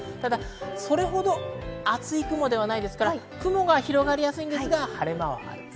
それほど厚い雲ではないですから雲が広がりやすいのですが晴れ間はあります。